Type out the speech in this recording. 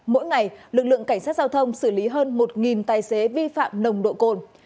mỗi ngày lực lượng cảnh sát giao thông xử lý hơn một tài xế vi phạm nồng độ cồn